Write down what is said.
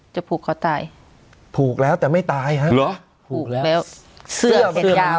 จะผูกคอตายผูกแล้วแต่ไม่ตายหะหรือผูกแล้ว